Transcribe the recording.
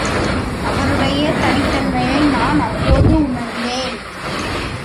அவருடைய தனித்தன்மையை நான் அப்போது உணர்ந்தேன்.